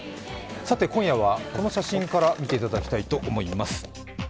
今夜はこの写真から見ていただきたいと思います。